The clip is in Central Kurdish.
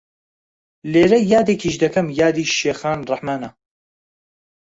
لێرە یادێکیش دەکەم یادی شێخان ڕەحمانە